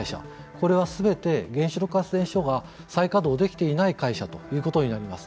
これはすべて原子力発電所が再稼働できていない会社ということになります。